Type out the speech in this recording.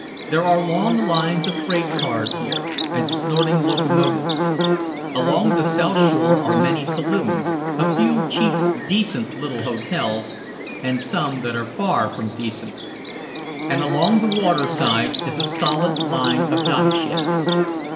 There are long lines of freight cars here and snorting locomotives. Along the shore side are many saloons, a few cheap decent little hotels and some that are far from decent. And along the water side is a solid line of docksheds.